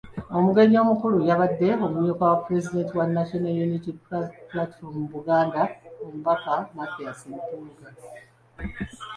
Omugenyi omukulu yabadde omumyuka wa Pulezidenti wa National Unity Platform mu Buganda, Omubaka Mathias Mpuuga.